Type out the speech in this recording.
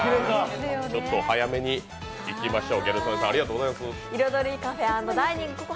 ちょっと早めに行きましょう。